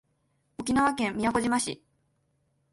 沖縄県宮古島市